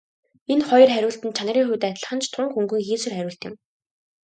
Энэ хоёр хариулт нь чанарын хувьд адилхан ч тун хөнгөн хийсвэр хариулт юм.